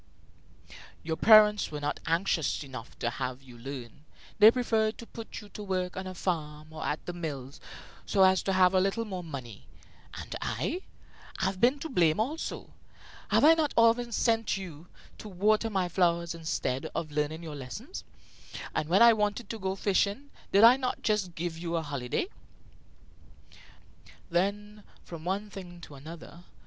"Your parents were not anxious enough to have you learn. They preferred to put you to work on a farm or at the mills, so as to have a little more money. And I? I've been to blame also. Have I not often sent you to water my flowers instead of learning your lessons? And when I wanted to go fishing, did I not just give you a holiday?" Then, from one thing to another, M.